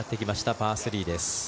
パー３です。